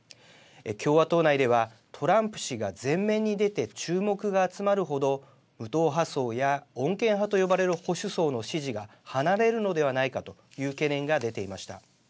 共和党内ではトランプ氏が前面に出て注目が集まる程無党派層や穏健派と呼ばれる保守層の支持が離れるのではないかという懸念が出ていました。